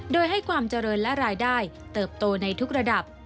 โดยให้ความเจริญและรายได้เติบโตในทุกระดับ